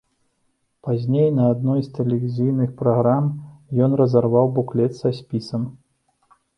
Пазней, на адной з тэлевізійных праграм ён разарваў буклет са спісам.